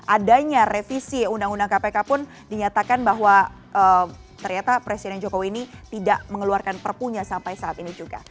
adanya revisi undang undang kpk pun dinyatakan bahwa ternyata presiden jokowi ini tidak mengeluarkan perpunya sampai saat ini juga